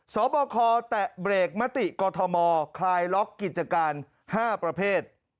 สอบคอแตะเบรกมติกอทมคลายล็อกกิจการ๕ประเภท